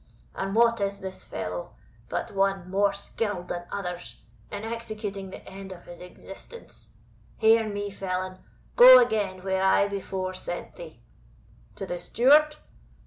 And what is this fellow, but one more skilled than others in executing the end of his existence? Hear me, felon, go again where I before sent thee." "To the Steward?"